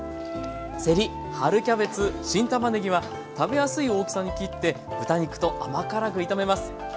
せり春キャベツ新たまねぎは食べやすい大きさに切って豚肉と甘辛く炒めます。